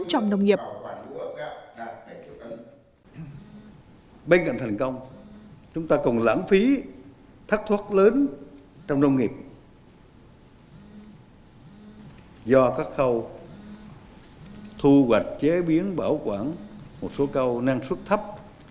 trong nông nghiệp